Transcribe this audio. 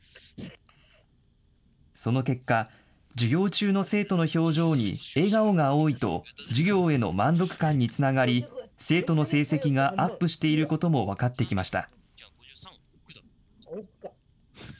その結果、授業中の生徒の表情に笑顔が多いと、授業への満足感につながり、生徒の成績がアップしていることも分かってきました。